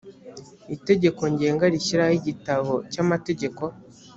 itegeko ngenga rishyiraho igitabo cy amategeko